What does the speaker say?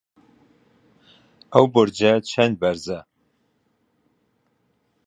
ئەو بورجە چەند بەرزە؟